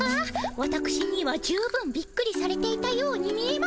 わたくしには十分びっくりされていたように見えましたが。